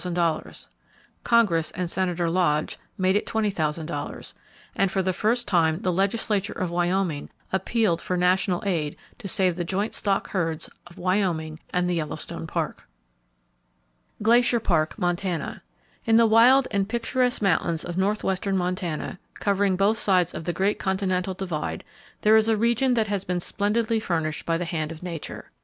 Congress and Senator Lodge made it $20,000; and for the first time the legislature of Wyoming appealed for national aid to save the joint stock herds of Wyoming and the Yellowstone Park. Glacier Park, Montana. —In the wild and picturesque mountains of northwestern Montana, covering both sides of the great Continental Divide, there is a region that has been splendidly furnished by the hand of Nature.